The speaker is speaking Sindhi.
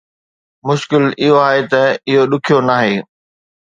مشڪل اهو آهي ته اهو ڏکيو ناهي